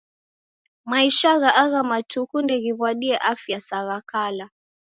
Maisha gha agha matuku ndeghiw'adie afya sa gha kala.